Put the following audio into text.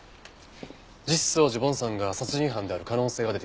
実相寺梵さんが殺人犯である可能性が出てきました。